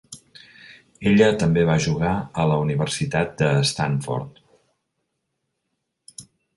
Ella també va jugar a la Universitat de Stanford.